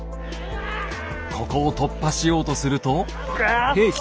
ここを突破しようとすると。